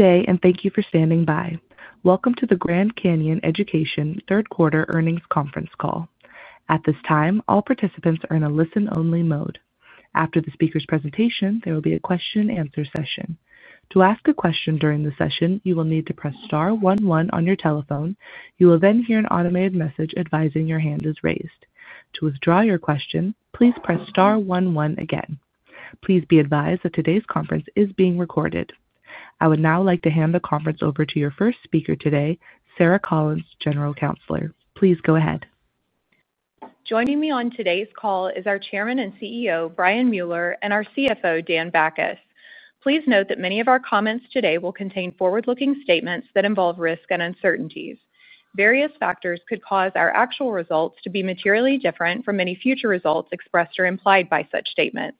Good day, and thank you for standing by. Welcome to the Grand Canyon Education third-quarter earnings conference call. At this time, all participants are in a listen-only mode. After the speaker's presentation, there will be a question-and-answer session. To ask a question during the session, you will need to press star one one on your telephone. You will then hear an automated message advising your hand is raised. To withdraw your question, please press star one one again. Please be advised that today's conference is being recorded. I would now like to hand the conference over to your first speaker today, Sarah Collins, General Counsel. Please go ahead. Joining me on today's call is our Chairman and CEO, Brian Mueller, and our CFO, Dan Bachus. Please note that many of our comments today will contain forward-looking statements that involve risk and uncertainties. Various factors could cause our actual results to be materially different from any future results expressed or implied by such statements.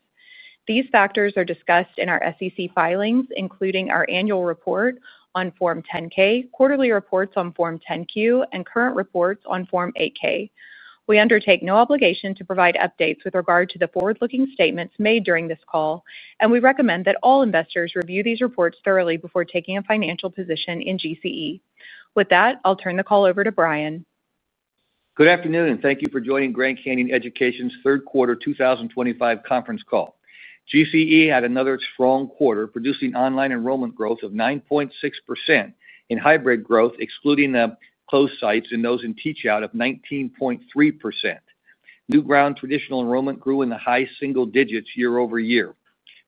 These factors are discussed in our SEC filings, including our annual report on Form 10-K, quarterly reports on Form 10-Q, and current reports on Form 8-K. We undertake no obligation to provide updates with regard to the forward-looking statements made during this call, and we recommend that all investors review these reports thoroughly before taking a financial position in GCE. With that, I'll turn the call over to Brian. Good afternoon, and thank you for joining Grand Canyon Education's third-quarter 2025 conference call. GCE had another strong quarter, producing online enrollment growth of 9.6% and hybrid growth, excluding the closed sites, and those in teach-out of 19.3%. New ground traditional enrollment grew in the high single-digits year-over-year.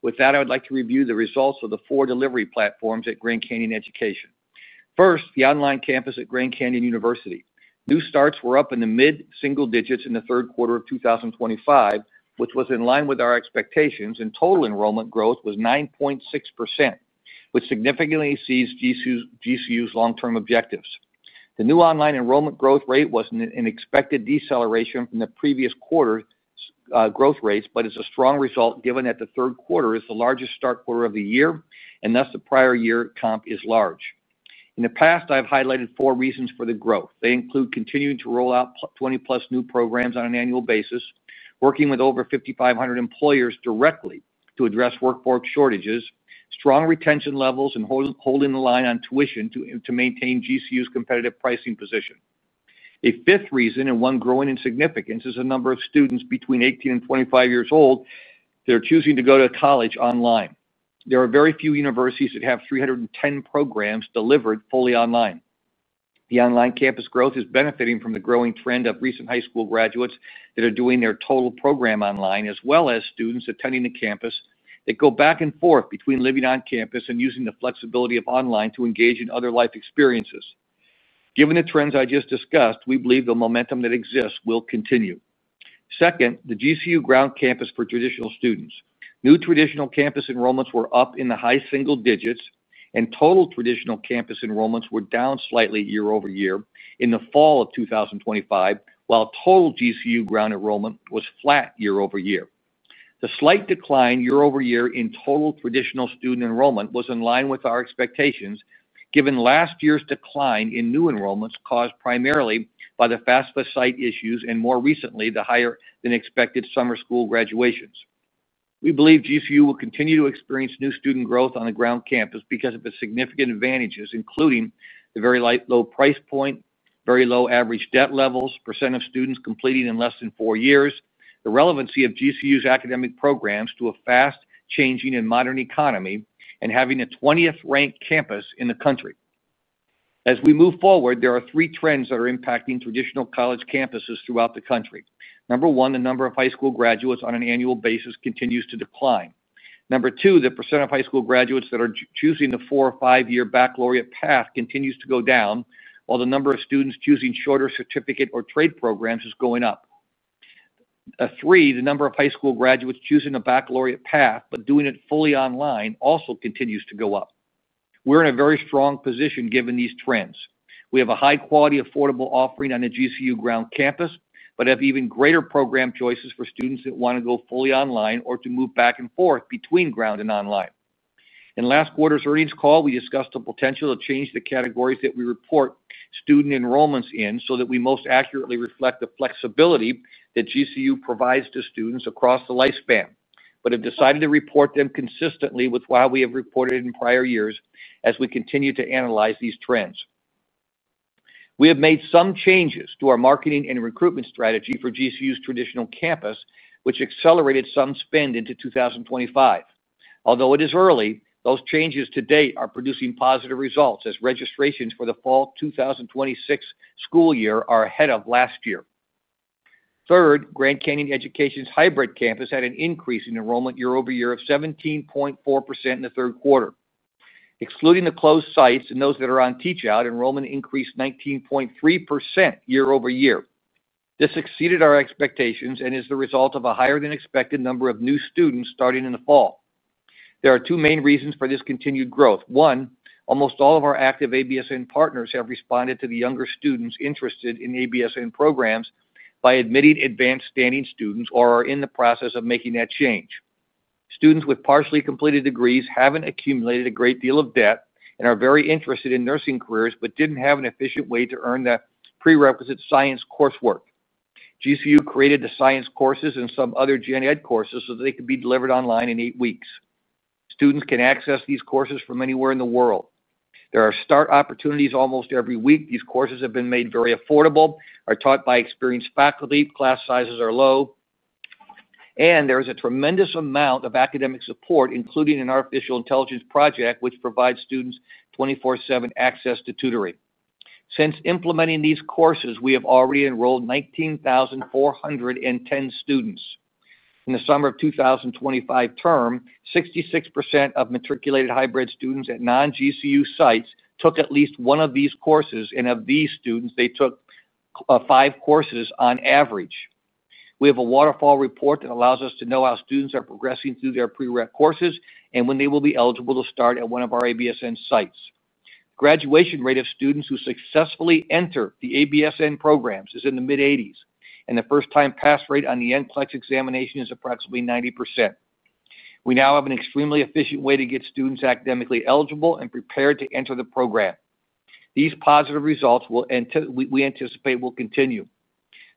With that, I would like to review the results of the four delivery platforms at Grand Canyon Education. First, the online campus at Grand Canyon University. New starts were up in the mid-single digits in the third quarter of 2025, which was in line with our expectations, and total enrollment growth was 9.6%, which significantly exceeds GCU's long-term objectives. The new online enrollment growth rate was an expected deceleration from the previous quarter's growth rates, but it's a strong result given that the third quarter is the largest start quarter of the year, and thus the prior year comp is large. In the past, I've highlighted four reasons for the growth. They include continuing to roll out 20+ new programs on an annual basis, working with over 5,500 employers directly to address workforce shortages, strong retention levels, and holding the line on tuition to maintain GCU's competitive pricing position. A fifth reason, and one growing in significance, is the number of students between 18 and 25 years old that are choosing to go to college online. There are very few universities that have 310 programs delivered fully online. The online campus growth is benefiting from the growing trend of recent high school graduates that are doing their total program online, as well as students attending the campus that go back and forth between living on campus and using the flexibility of online to engage in other life experiences. Given the trends I just discussed, we believe the momentum that exists will continue. Second, the GCU ground campus for traditional students. New traditional campus enrollments were up in the high single-digits, and total traditional campus enrollments were down slightly year-over-year in the fall of 2025, while total GCU ground enrollment was flat year-over-year. The slight decline year-over-year in total traditional student enrollment was in line with our expectations, given last year's decline in new enrollments caused primarily by the FAFSA site issues and, more recently, the higher-than-expected summer school graduations. We believe GCU will continue to experience new student growth on the ground campus because of its significant advantages, including the very low price point, very low average debt levels, % of students completing in less than four years, the relevancy of GCU's academic programs to a fast-changing and modern economy, and having a 20th-ranked campus in the country. As we move forward, there are three trends that are impacting traditional college campuses throughout the country. Number one, the number of high school graduates on an annual basis continues to decline. Number two, the % of high school graduates that are choosing the four or five-year baccalaureate path continues to go down, while the number of students choosing shorter certificate or trade programs is going up. Three, the number of high school graduates choosing a baccalaureate path but doing it fully online also continues to go up. We're in a very strong position given these trends. We have a high-quality, affordable offering on the GCU ground campus but have even greater program choices for students that want to go fully online or to move back and forth between ground and online. In last quarter's earnings call, we discussed the potential to change the categories that we report student enrollments in so that we most accurately reflect the flexibility that GCU provides to students across the lifespan, but have decided to report them consistently with what we have reported in prior years as we continue to analyze these trends. We have made some changes to our marketing and recruitment strategy for GCU's traditional campus, which accelerated some spend into 2025. Although it is early, those changes to date are producing positive results as registrations for the fall 2026 school year are ahead of last year. Third, Grand Canyon Education's hybrid campus had an increase in enrollment year-over-year of 17.4% in the third quarter. Excluding the closed sites and those that are on teach-out, enrollment increased 19.3% year-over-year. This exceeded our expectations and is the result of a higher-than-expected number of new students starting in the fall. There are two main reasons for this continued growth. One, almost all of our active ABSN partners have responded to the younger students interested in ABSN programs by admitting advanced-standing students or are in the process of making that change. Students with partially completed degrees have not accumulated a great deal of debt and are very interested in nursing careers but did not have an efficient way to earn the prerequisite science coursework. GCU created the science courses and some other gen-ed courses so that they could be delivered online in eight weeks. Students can access these courses from anywhere in the world. There are start opportunities almost every week. These courses have been made very affordable, are taught by experienced faculty, class sizes are low. There is a tremendous amount of academic support, including an artificial intelligence project which provides students 24/7 access to tutoring. Since implementing these courses, we have already enrolled 19,410 students. In the summer of 2025 term, 66% of matriculated hybrid students at non-GCU sites took at least one of these courses, and of these students, they took five courses on average. We have a waterfall report that allows us to know how students are progressing through their prereq courses and when they will be eligible to start at one of our ABSN sites. Graduation rate of students who successfully enter the ABSN programs is in the mid-80s, and the first-time pass rate on the NCLEX examination is approximately 90%. We now have an extremely efficient way to get students academically eligible and prepared to enter the program. These positive results we anticipate will continue.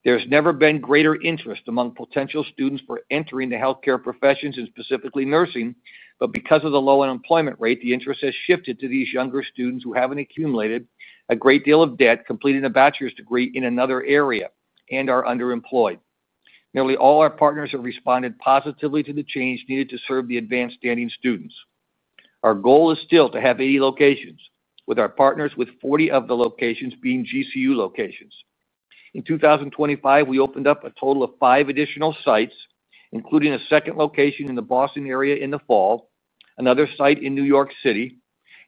There has never been greater interest among potential students for entering the healthcare professions and specifically nursing, but because of the low unemployment rate, the interest has shifted to these younger students who have not accumulated a great deal of debt completing a Bachelor's degree in another area and are underemployed. Nearly all our partners have responded positively to the change needed to serve the advanced-standing students. Our goal is still to have 80 locations, with our partners with 40 of the locations being GCU locations. In 2025, we opened up a total of five additional sites, including a second location in the Boston area in the fall, another site in New York City,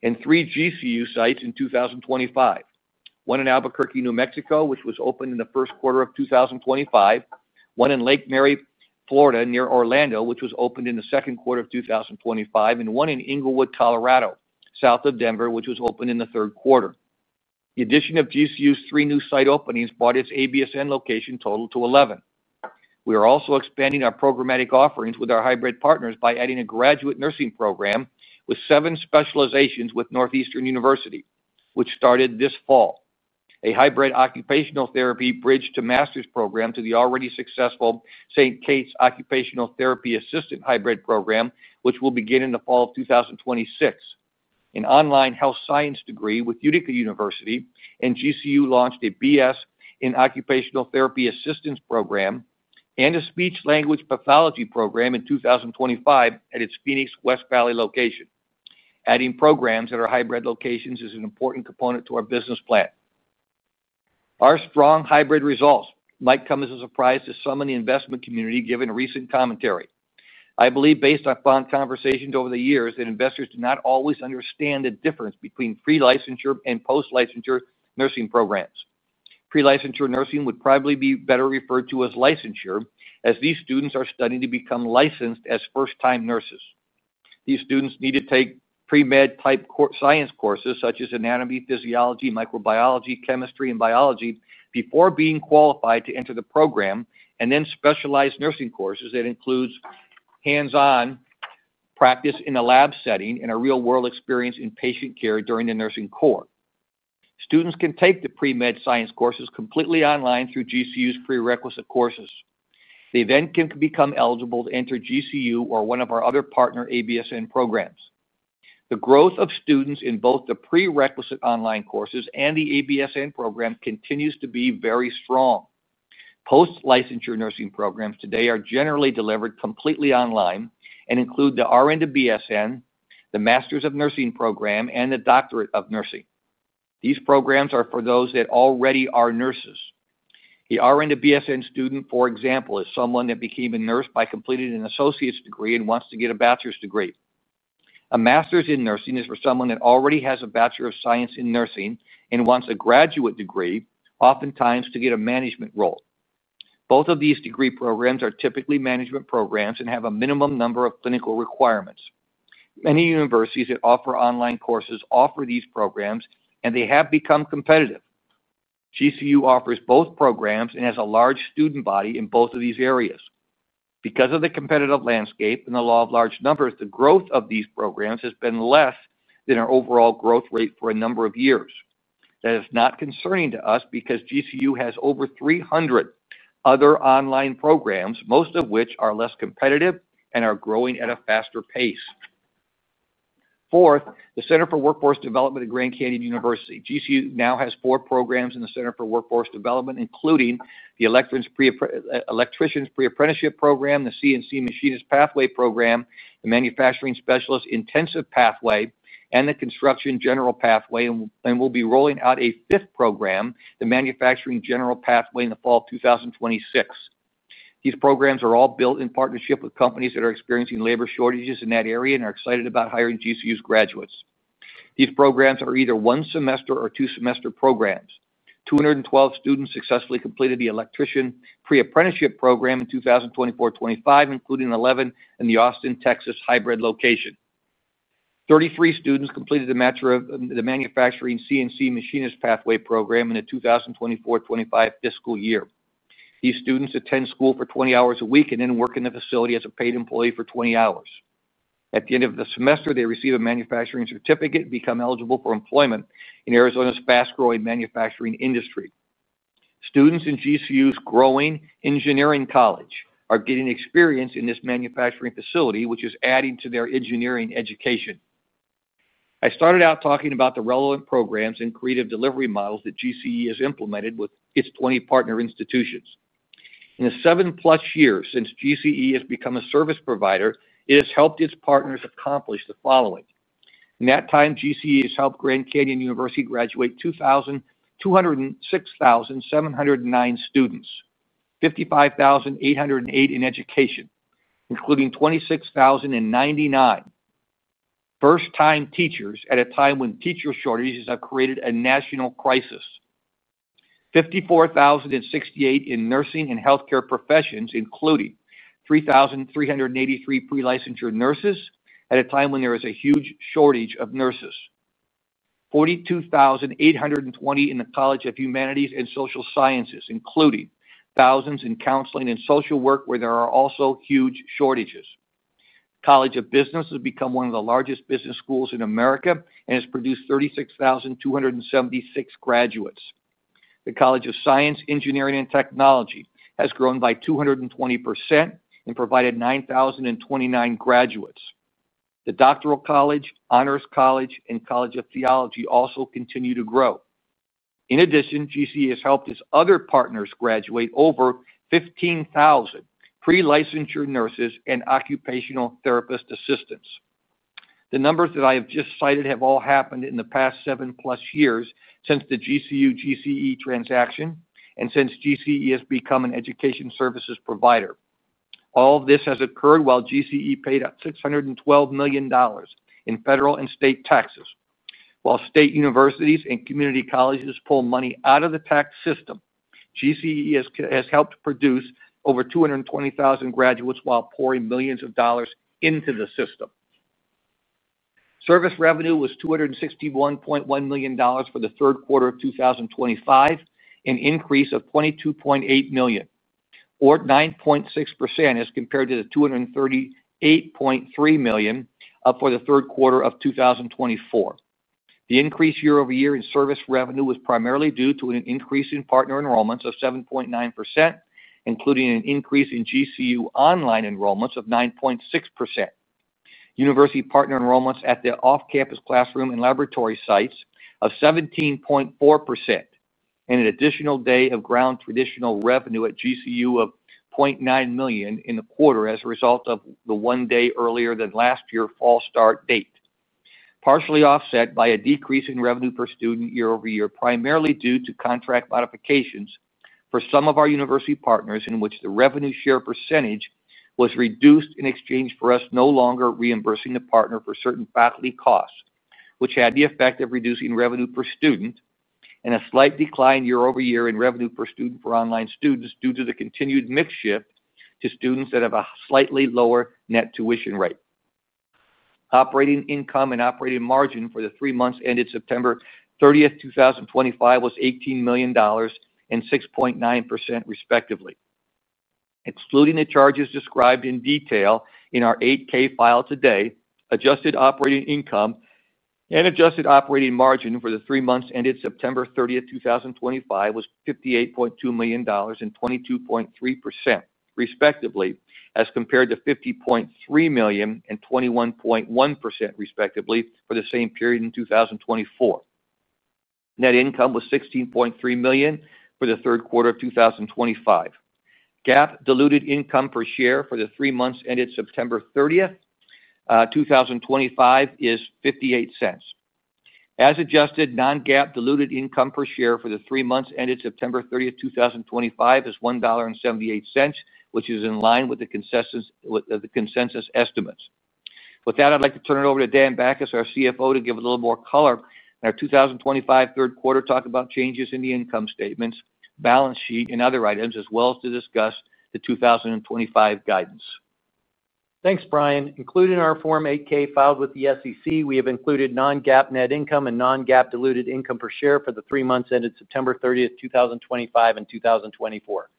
and three GCU sites in 2025: one in Albuquerque, New Mexico, which was opened in the first quarter of 2025, one in Lake Mary, Florida, near Orlando, which was opened in the second quarter of 2025, and one in Inglewood, Colorado, south of Denver, which was opened in the third quarter. The addition of GCU's three new site openings brought its ABSN location total to 11. We are also expanding our programmatic offerings with our hybrid partners by adding a graduate nursing program with seven specializations with Northeastern University, which started this fall. A hybrid occupational therapy bridge to master's program to the already successful St. Kate's Occupational Therapy Assistant hybrid program, which will begin in the fall of 2026. An online health science degree with Utica University and GCU launched a BS in Occupational Therapy Assistance program. A speech-language pathology program in 2025 at its Phoenix West Valley location. Adding programs at our hybrid locations is an important component to our business plan. Our strong hybrid results might come as a surprise to some in the investment community given recent commentary. I believe, based on phone conversations over the years, that investors do not always understand the difference between pre-licensure and post-licensure nursing programs. Pre-licensure nursing would probably be better referred to as licensure, as these students are studying to become licensed as first-time nurses. These students need to take pre-med type science courses such as anatomy, physiology, microbiology, chemistry, and biology before being qualified to enter the program, and then specialized nursing courses that include hands-on. Practice in a lab setting and a real-world experience in patient care during the nursing core. Students can take the pre-med science courses completely online through GCU's prerequisite courses. They then can become eligible to enter GCU or one of our other partner ABSN programs. The growth of students in both the prerequisite online courses and the ABSN program continues to be very strong. Post-licensure nursing programs today are generally delivered completely online and include the RN to BSN, the Master's of Nursing program, and the Doctorate of Nursing. These programs are for those that already are nurses. The RN to BSN student, for example, is someone that became a nurse by completing an Associate's degree and wants to get a Bachelor's degree. A Master's in Nursing is for someone that already has a Bachelor of Science in Nursing and wants a Graduate degree, oftentimes to get a management role. Both of these degree programs are typically management programs and have a minimum number of clinical requirements. Many universities that offer online courses offer these programs, and they have become competitive. GCU offers both programs and has a large student body in both of these areas. Because of the competitive landscape and the law of large numbers, the growth of these programs has been less than our overall growth rate for a number of years. That is not concerning to us because GCU has over 300 other online programs, most of which are less competitive and are growing at a faster pace. Fourth, the Center for Workforce Development at Grand Canyon University. GCU now has four programs in the Center for Workforce Development, including the Electrician's Pre-Apprenticeship Program, the CNC Machinist Pathway Program, the Manufacturing Specialist Intensive Pathway, and the Construction General Pathway, and will be rolling out a fifth program, the Manufacturing General Pathway, in the fall of 2026. These programs are all built in partnership with companies that are experiencing labor shortages in that area and are excited about hiring GCU's graduates. These programs are either one-semester or two-semester programs. 212 students successfully completed the Electrician's Pre-Apprenticeship Program in 2024-2025, including 11 in the Austin, Texas hybrid location. 33 students completed the CNC Machinist Pathway Program in the 2024-2025 fiscal year. These students attend school for 20 hours a week and then work in the facility as a paid employee for 20 hours. At the end of the semester, they receive a manufacturing certificate and become eligible for employment in Arizona's fast-growing manufacturing industry. Students in GCU's growing Engineering college are getting experience in this manufacturing facility, which is adding to their Engineering education. I started out talking about the relevant programs and creative delivery models that GCE has implemented with its 20 partner institutions. In the seven-plus years since GCE has become a service provider, it has helped its partners accomplish the following. In that time, GCE has helped Grand Canyon University graduate 2,206,709 students, 55,808 in education, including 26,099 first-time teachers at a time when teacher shortages have created a national crisis. 54,068 in nursing and healthcare professions, including 3,383 pre-licensure nurses at a time when there is a huge shortage of nurses. 42,820 in the College of Humanities and Social Sciences, including. Thousands in counseling and social work, where there are also huge shortages. College of Business has become one of the largest business schools in America and has produced 36,276 graduates. The College of Science, Engineering, and Technology has grown by 220% and provided 9,029 graduates. The Doctoral College, Honors College, and College of Theology also continue to grow. In addition, GCE has helped its other partners graduate over 15,000 pre-licensure nurses and occupational therapist assistants. The numbers that I have just cited have all happened in the past seven-plus years since the GCU-GCE transaction and since GCE has become an education services provider. All of this has occurred while GCE paid $612 million in federal and state taxes. While state universities and community colleges pull money out of the tax system, GCE has helped produce over 220,000 graduates while pouring millions of dollars into the system. Service revenue was $261.1 million for the third quarter of 2025, an increase of $22.8 million, or 9.6%, as compared to the $238.3 million for the third quarter of 2024. The increase year over year in service revenue was primarily due to an increase in partner enrollments of 7.9%, including an increase in GCU online enrollments of 9.6%, university partner enrollments at the off-campus classroom and laboratory sites of 17.4%, and an additional day of ground traditional revenue at GCU of $0.9 million in the quarter as a result of the one day earlier than last year's fall start date. Partially offset by a decrease in revenue per student year over year, primarily due to contract modifications for some of our university partners in which the revenue share percentage was reduced in exchange for us no longer reimbursing the partner for certain faculty costs, which had the effect of reducing revenue per student and a slight decline year-over-year in revenue per student for online students due to the continued mix shift to students that have a slightly lower net tuition rate. Operating income and operating margin for the three months ended September 30th, 2025, was $18 million and 6.9%, respectively. Excluding the charges described in detail in our 8-K filed today, adjusted operating income and adjusted operating margin for the three months ended September 30th, 2025, was $58.2 million and 22.3%, respectively, as compared to $50.3 million and 21.1%, respectively, for the same period in 2024. Net income was $16.3 million for the third quarter of 2025. GAAP diluted income per share for the three months ended September 30th, 2025 is $0.58. As adjusted, non-GAAP diluted income per share for the three months ended September 30th, 2025, is $1.78, which is in line with the consensus estimates. With that, I'd like to turn it over to Dan Bachus, our CFO, to give a little more color in our 2025 third quarter, talk about changes in the income statements, balance sheet, and other items, as well as to discuss the 2025 guidance. Thanks, Brian. Including our Form 8-K filed with the SEC, we have included non-GAAP net income and non-GAAP diluted income per share for the three months ended September 30, 2025, and 2024.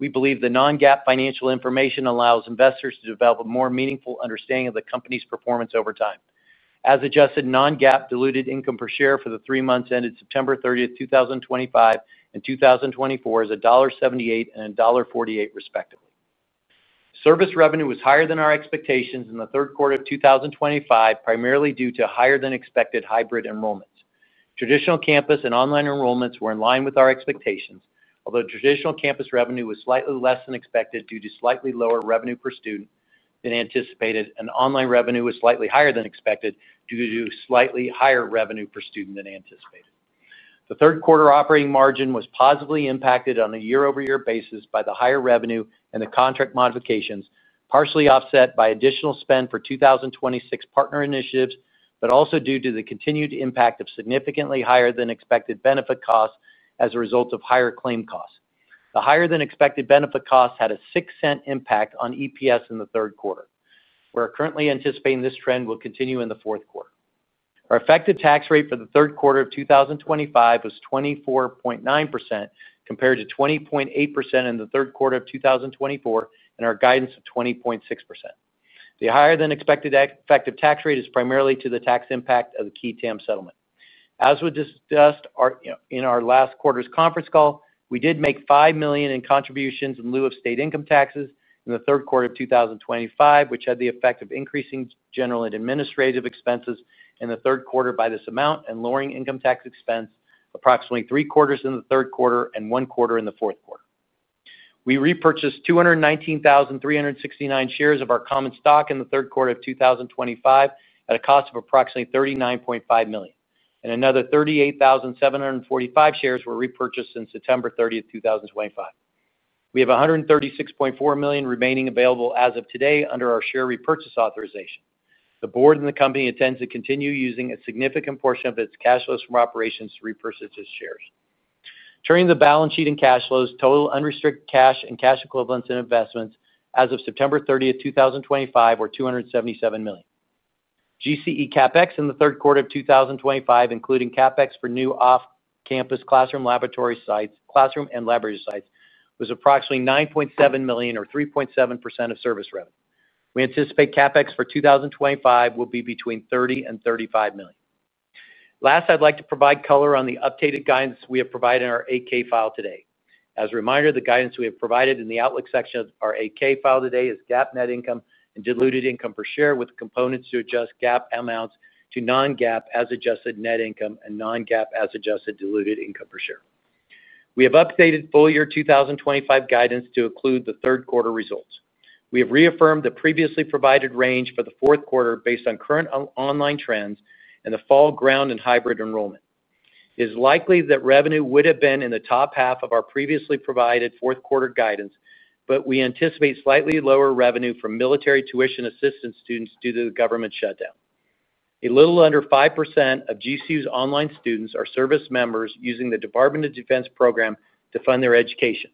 We believe the non-GAAP financial information allows investors to develop a more meaningful understanding of the company's performance over time. As adjusted, non-GAAP diluted income per share for the three months ended September 30th, 2025, and 2024 is $1.78 and $1.48, respectively. Service revenue was higher than our expectations in the third quarter of 2025, primarily due to higher-than-expected hybrid enrollments. Traditional campus and online enrollments were in line with our expectations, although traditional campus revenue was slightly less than expected due to slightly lower revenue per student than anticipated, and online revenue was slightly higher than expected due to slightly higher revenue per student than anticipated. The third quarter operating margin was positively impacted on a year-over-year basis by the higher revenue and the contract modifications, partially offset by additional spend for 2026 partner initiatives, but also due to the continued impact of significantly higher-than-expected benefit costs as a result of higher claim costs. The higher-than-expected benefit costs had a $0.06 impact on EPS in the third quarter. We're currently anticipating this trend will continue in the fourth quarter. Our effective tax rate for the third quarter of 2025 was 24.9% compared to 20.8% in the third quarter of 2024 and our guidance of 20.6%. The higher-than-expected effective tax rate is primarily due to the tax impact of the Key Tam settlement. As we discussed in our last quarter's conference call, we did make $5 million in contributions in lieu of state income taxes in the third quarter of 2025, which had the effect of increasing general and administrative expenses in the third quarter by this amount and lowering income tax expense approximately three-quarters in the third quarter and one-quarter in the fourth quarter. We repurchased 219,369 shares of our common stock in the third quarter of 2025 at a cost of approximately $39.5 million. Another 38,745 shares were repurchased on September 30th, 2025. We have $136.4 million remaining available as of today under our share repurchase authorization. The board and the company intend to continue using a significant portion of its cash flows from operations to repurchase its shares. Turning to the balance sheet and cash flows, total unrestricted cash and cash equivalents and investments as of September 30th, 2025, were $277 million. GCE CapEx in the third quarter of 2025, including CapEx for new off-campus classroom laboratory sites, classroom and laboratory sites, was approximately $9.7 million or 3.7% of service revenue. We anticipate CapEx for 2025 will be between $30-$35 million. Last, I'd like to provide color on the updated guidance we have provided in our 8-K filed today. As a reminder, the guidance we have provided in the Outlook section of our 8-K file today is GAAP net income and diluted income per share with components to adjust GAAP amounts to non-GAAP as adjusted net income and non-GAAP as adjusted diluted income per share. We have updated full year 2025 guidance to include the third quarter results. We have reaffirmed the previously provided range for the fourth quarter based on current online trends and the fall ground and hybrid enrollment. It is likely that revenue would have been in the top half of our previously provided fourth quarter guidance, but we anticipate slightly lower revenue from military tuition assistance students due to the government shutdown. A little under 5% of GCU's online students are service members using the Department of Defense program to fund their education.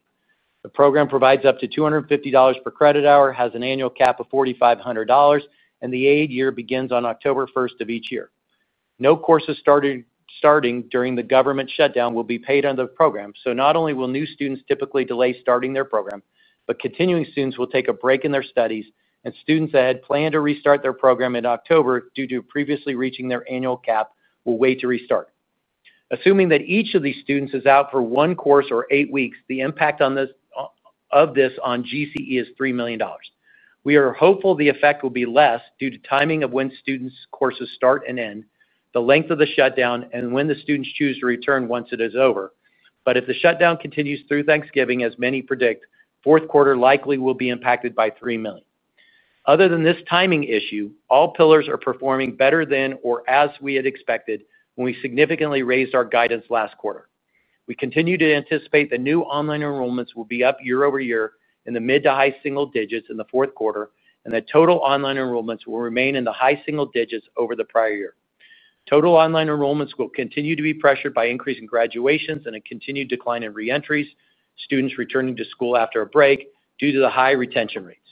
The program provides up to $250 per credit hour, has an annual cap of $4,500, and the aid year begins on October 1st of each year. No courses starting during the government shutdown will be paid under the program, so not only will new students typically delay starting their program, but continuing students will take a break in their studies, and students that had planned to restart their program in October due to previously reaching their annual cap will wait to restart. Assuming that each of these students is out for one course or eight weeks, the impact of this on GCE is $3 million. We are hopeful the effect will be less due to timing of when students' courses start and end, the length of the shutdown, and when the students choose to return once it is over. If the shutdown continues through Thanksgiving, as many predict, the fourth quarter likely will be impacted by $3 million. Other than this timing issue, all pillars are performing better than or as we had expected when we significantly raised our guidance last quarter. We continue to anticipate that new online enrollments will be up year-over-year in the mid to high single-digits in the fourth quarter, and that total online enrollments will remain in the high single-digits over the prior year. Total online enrollments will continue to be pressured by increasing graduations and a continued decline in reentries, students returning to school after a break due to the high retention rates.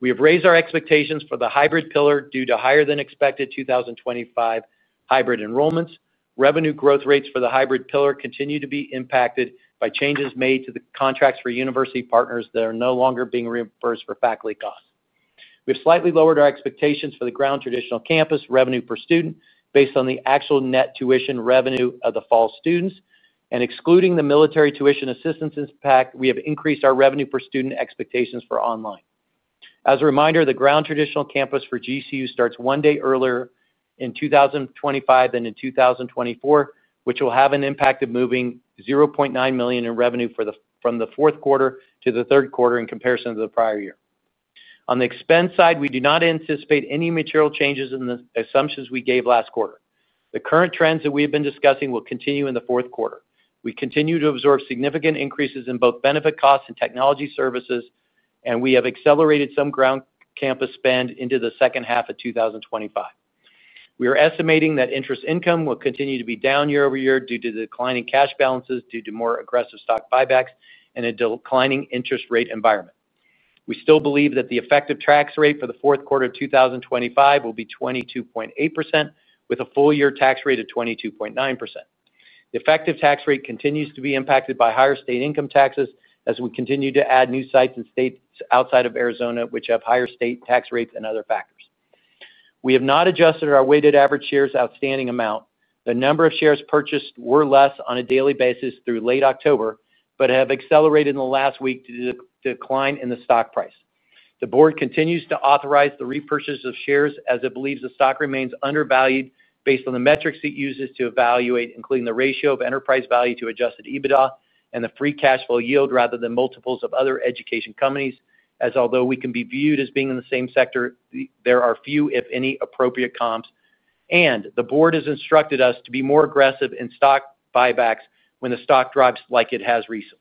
We have raised our expectations for the hybrid pillar due to higher-than-expected 2025 hybrid enrollments. Revenue growth rates for the hybrid pillar continue to be impacted by changes made to the contracts for university partners that are no longer being reimbursed for faculty costs. We have slightly lowered our expectations for the ground traditional campus revenue per student based on the actual net tuition revenue of the fall students. Excluding the military tuition assistance impact, we have increased our revenue per student expectations for online. As a reminder, the ground traditional campus for GCU starts one day earlier in 2025 than in 2024, which will have an impact of moving $0.9 million in revenue from the fourth quarter to the third quarter in comparison to the prior year. On the expense side, we do not anticipate any material changes in the assumptions we gave last quarter. The current trends that we have been discussing will continue in the fourth quarter. We continue to absorb significant increases in both benefit costs and technology services, and we have accelerated some ground campus spend into the second half of 2025. We are estimating that interest income will continue to be down year-over-year due to the declining cash balances due to more aggressive stock buybacks and a declining interest rate environment. We still believe that the effective tax rate for the fourth quarter of 2025 will be 22.8%, with a full year tax rate of 22.9%. The effective tax rate continues to be impacted by higher state income taxes as we continue to add new sites and states outside of Arizona which have higher state tax rates and other factors. We have not adjusted our weighted average shares outstanding amount. The number of shares purchased were less on a daily basis through late October but have accelerated in the last week due to the decline in the stock price. The board continues to authorize the repurchase of shares as it believes the stock remains undervalued based on the metrics it uses to evaluate, including the ratio of enterprise value to adjusted EBITDA and the free cash flow yield rather than multiples of other education companies, as although we can be viewed as being in the same sector, there are few, if any, appropriate comps. The board has instructed us to be more aggressive in stock buybacks when the stock drops like it has recently.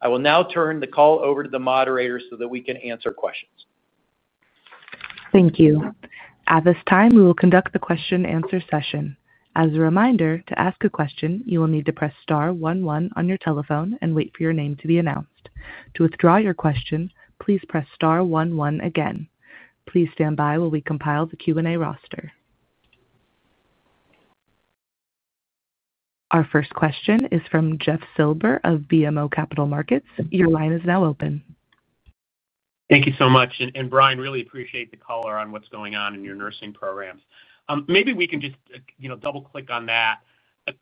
I will now turn the call over to the moderator so that we can answer questions. Thank you. At this time, we will conduct the question-and-answer session. As a reminder, to ask a question, you will need to press star one one on your telephone and wait for your name to be announced. To withdraw your question, please press star one one again. Please stand by while we compile the Q&A roster. Our first question is from Jeff Silber of BMO Capital Markets. Your line is now open. Thank you so much. Brian, really appreciate the color on what's going on in your nursing programs. Maybe we can just double-click on that.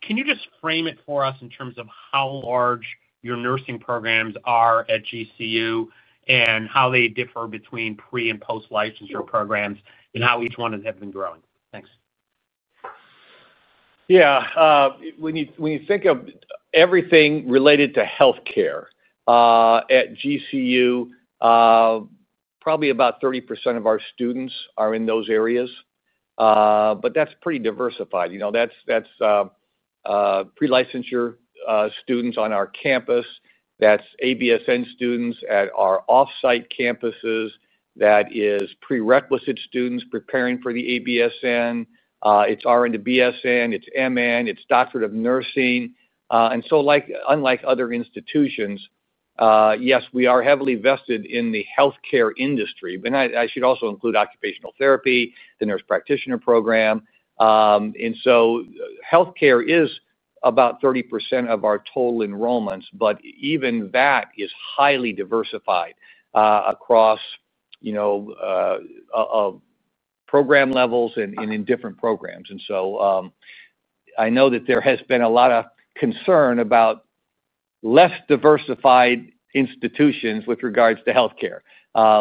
Can you just frame it for us in terms of how large your nursing programs are at GCU and how they differ between pre and post-licensure programs and how each one has been growing? Thanks. Yeah. When you think of everything related to healthcare at GCU, probably about 30% of our students are in those areas. That is pretty diversified. That is pre-licensure students on our campus. That's ABSN students at our off-site campuses. That is prerequisite students preparing for the ABSN. It's RN to BSN. It's MN. It's doctorate of nursing. Unlike other institutions, yes, we are heavily vested in the healthcare industry. I should also include occupational therapy, the nurse practitioner program. Healthcare is about 30% of our total enrollments, but even that is highly diversified across program levels and in different programs. I know that there has been a lot of concern about less diversified institutions with regards to healthcare.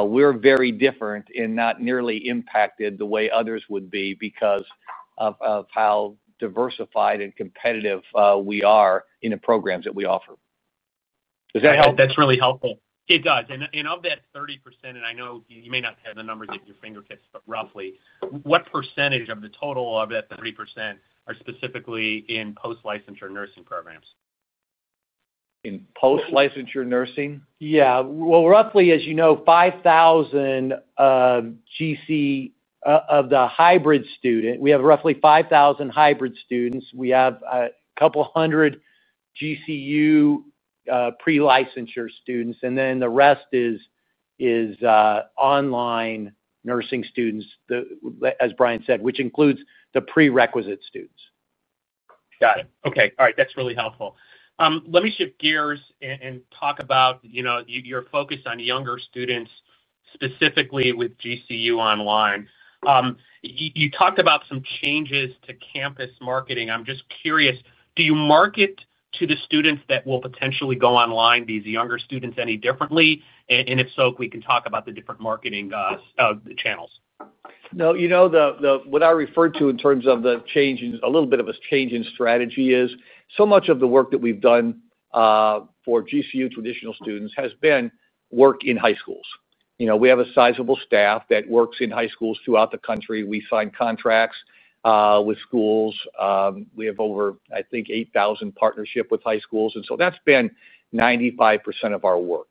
We're very different and not nearly impacted the way others would be because of how diversified and competitive we are in the programs that we offer. Does that help? That's really helpful. It does. Of that 30%, and I know you may not have the numbers at your fingertips, but roughly, what percentage of the total of that 30% are specifically in post-licensure nursing programs? In post-licensure nursing? Yeah. Roughly, as you know, 5,000. GCU of the hybrid student. We have roughly 5,000 hybrid students. We have a couple hundred GCU pre-licensure students. The rest is online nursing students, as Brian said, which includes the prerequisite students. Got it. Okay. All right. That's really helpful. Let me shift gears and talk about your focus on younger students, specifically with GCU online. You talked about some changes to campus marketing. I'm just curious, do you market to the students that will potentially go online, these younger students, any differently? If so, if we can talk about the different marketing channels. No. What I refer to in terms of the change, a little bit of a change in strategy, is so much of the work that we've done for GCU traditional students has been work in high schools. We have a sizable staff that works in high schools throughout the country. We sign contracts with schools. We have over, I think, 8,000 partnerships with high schools. That has been 95% of our work.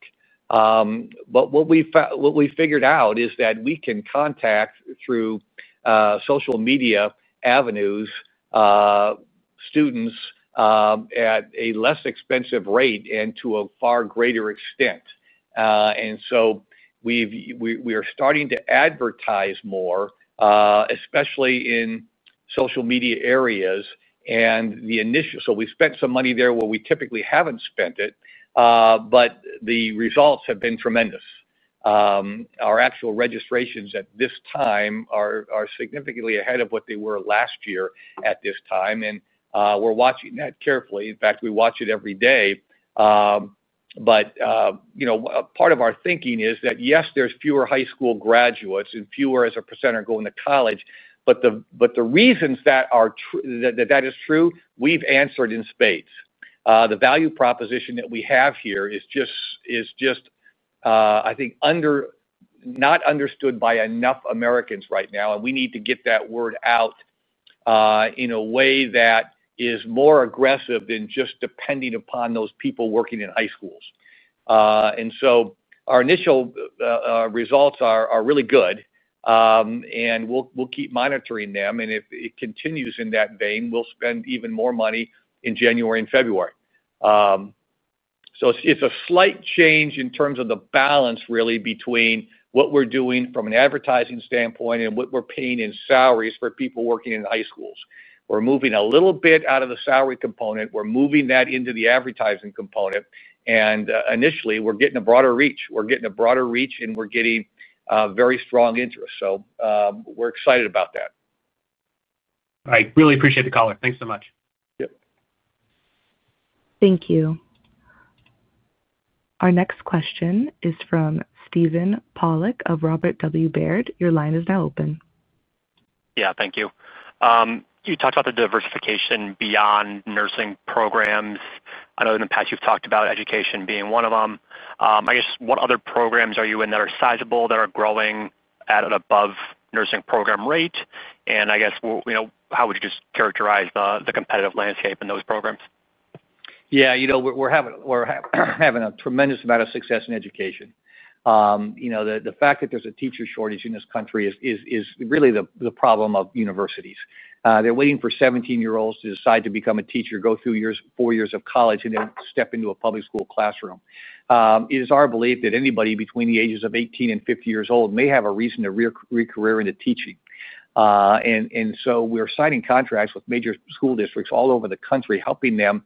What we've figured out is that we can contact through social media avenues students at a less expensive rate and to a far greater extent. We are starting to advertise more, especially in social media areas. We spent some money there where we typically haven't spent it. The results have been tremendous. Our actual registrations at this time are significantly ahead of what they were last year at this time. We're watching that carefully. In fact, we watch it every day. Part of our thinking is that, yes, there's fewer high school graduates and fewer as a % are going to college. The reasons that is true, we've answered in spades. The value proposition that we have here is just, I think, not understood by enough Americans right now. We need to get that word out in a way that is more aggressive than just depending upon those people working in high schools. Our initial results are really good. We'll keep monitoring them. If it continues in that vein, we'll spend even more money in January and February. It's a slight change in terms of the balance, really, between what we're doing from an advertising standpoint and what we're paying in salaries for people working in high schools. We're moving a little bit out of the salary component. We're moving that into the advertising component. Initially, we're getting a broader reach. We're getting a broader reach, and we're getting very strong interest. We're excited about that. All right. Really appreciate the color. Thanks so much. Yep. Thank you. Our next question is from Stephen Pollock of Robert W. Baird. Your line is now open. Yeah. Thank you. You talked about the diversification beyond nursing programs. I know in the past you've talked about education being one of them. I guess, what other programs are you in that are sizable, that are growing at an above nursing program rate? I guess, how would you just characterize the competitive landscape in those programs? Yeah. We're having a tremendous amount of success in education. The fact that there's a teacher shortage in this country is really the problem of universities. They're waiting for 17-year-olds to decide to become a teacher, go through four years of college, and then step into a public school classroom. It is our belief that anybody between the ages of 18 and 50 years old may have a reason to re-career into teaching. We are signing contracts with major school districts all over the country, helping them.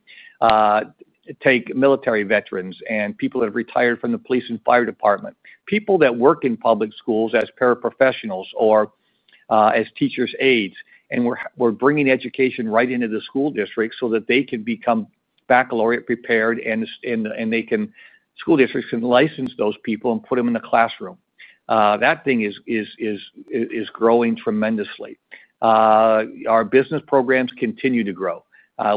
Take military veterans and people that have retired from the police and fire department, people that work in public schools as paraprofessionals or as teachers' aides. We are bringing education right into the school district so that they can become baccalaureate prepared, and school districts can license those people and put them in the classroom. That thing is growing tremendously. Our business programs continue to grow.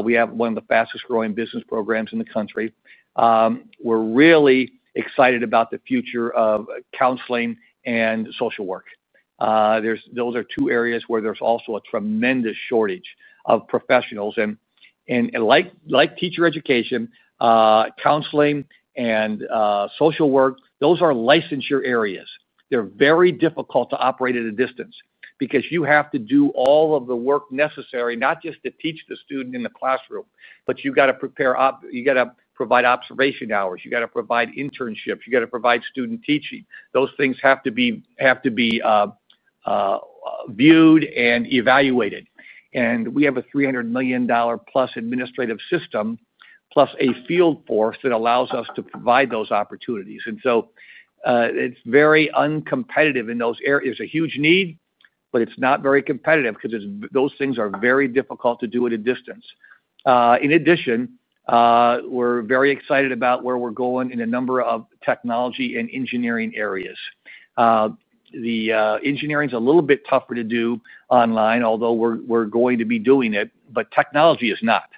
We have one of the fastest-growing business programs in the country. We're really excited about the future of counseling and social work. Those are two areas where there's also a tremendous shortage of professionals. Like teacher education, counseling and social work, those are licensure areas. They're very difficult to operate at a distance because you have to do all of the work necessary, not just to teach the student in the classroom, but you've got to prepare. You've got to provide observation hours. You've got to provide internships. You've got to provide student teaching. Those things have to be viewed and evaluated. We have a $300 million+ administrative system, plus a field force that allows us to provide those opportunities. It is very uncompetitive in those areas. There's a huge need, but it's not very competitive because those things are very difficult to do at a distance. In addition, we're very excited about where we're going in a number of technology and engineering areas. The engineering is a little bit tougher to do online, although we're going to be doing it, but technology is not.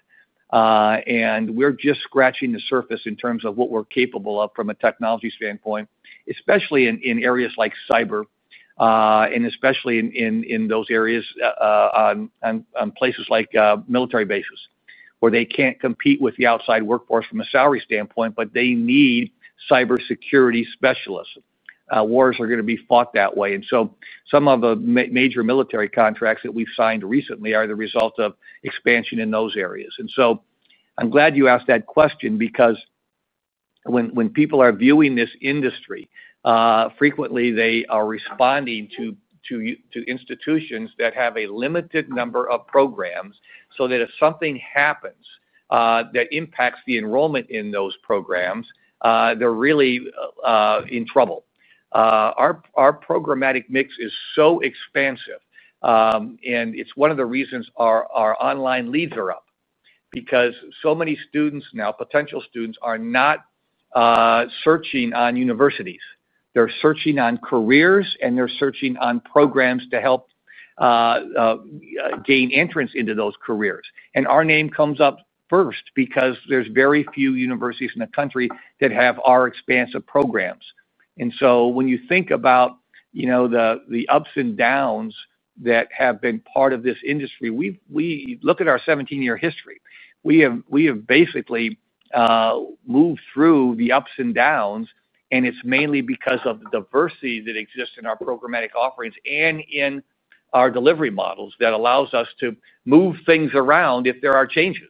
We're just scratching the surface in terms of what we're capable of from a technology standpoint, especially in areas like Cyber, and especially in those areas on places like military bases where they can't compete with the outside workforce from a salary standpoint, but they need Cybersecurity specialists. Wars are going to be fought that way. Some of the major military contracts that we've signed recently are the result of expansion in those areas. I'm glad you asked that question because when people are viewing this industry, frequently, they are responding to. Institutions that have a limited number of programs so that if something happens that impacts the enrollment in those programs, they're really in trouble. Our programmatic mix is so expansive, and it's one of the reasons our online leads are up because so many students now, potential students, are not searching on universities. They're searching on careers, and they're searching on programs to help gain entrance into those careers. Our name comes up first because there's very few universities in the country that have our expansive programs. When you think about the ups and downs that have been part of this industry, we look at our 17-year history. We have basically moved through the ups and downs, and it's mainly because of the diversity that exists in our programmatic offerings and in our delivery models that allows us to move things around if there are changes.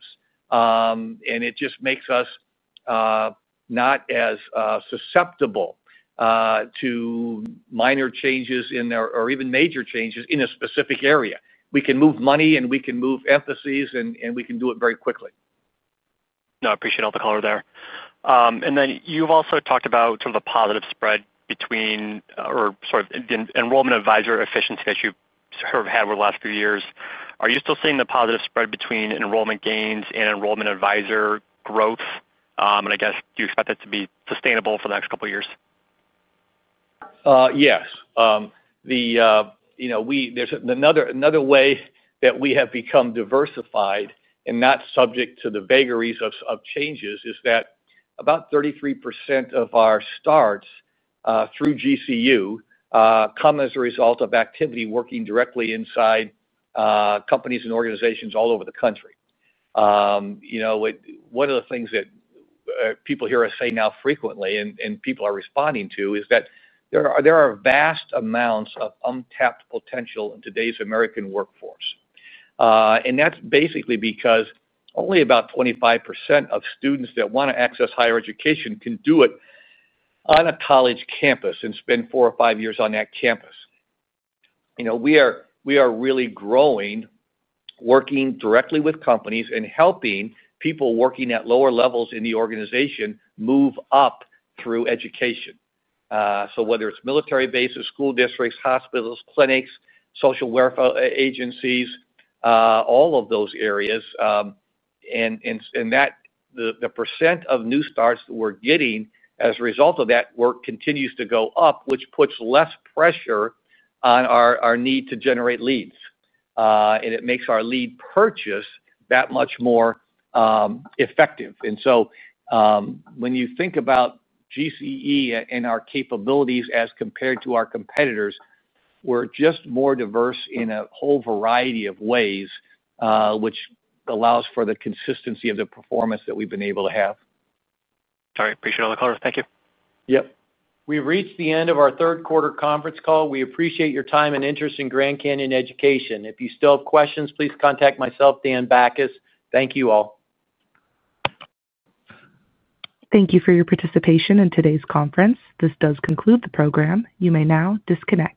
It just makes us not as susceptible to minor changes or even major changes in a specific area. We can move money, and we can move emphases, and we can do it very quickly. No, I appreciate all the color there. You have also talked about sort of the positive spread between, or sort of the enrollment advisor efficiency that you have had over the last few years. Are you still seeing the positive spread between enrollment gains and enrollment advisor growth? Do you expect that to be sustainable for the next couple of years? Yes. There is another way that we have become diversified and not subject to the vagaries of changes. About 33% of our starts through GCU come as a result of activity working directly inside companies and organizations all over the country. One of the things that. People here are saying now frequently, and people are responding to, is that there are vast amounts of untapped potential in today's American workforce. That's basically because only about 25% of students that want to access higher education can do it on a college campus and spend four or five years on that campus. We are really growing, working directly with companies, and helping people working at lower levels in the organization move up through education. Whether it's military bases, school districts, hospitals, clinics, social welfare agencies, all of those areas. The percent of new starts that we're getting as a result of that work continues to go up, which puts less pressure on our need to generate leads. It makes our lead purchase that much more effective. When you think about. GCE and our capabilities as compared to our competitors, we're just more diverse in a whole variety of ways, which allows for the consistency of the performance that we've been able to have. All right. Appreciate all the color. Thank you. Yep. We've reached the end of our third-quarter conference call. We appreciate your time and interest in Grand Canyon Education. If you still have questions, please contact myself, Dan Bachus. Thank you all. Thank you for your participation in today's conference. This does conclude the program. You may now disconnect.